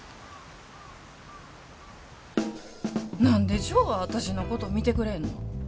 何でジョーは私のこと見てくれへんの。